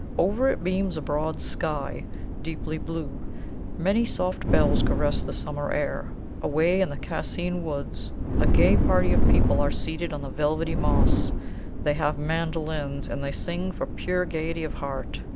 Over it beams a broad sky, deeply blue; many soft bells caress the summer air. Away in the Cascine Woods a gay party of people are seated on the velvety moss; they have mandolins, and they sing for pure gaiety of heart.